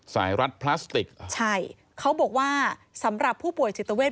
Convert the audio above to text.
รัดพลาสติกใช่เขาบอกว่าสำหรับผู้ป่วยจิตเวท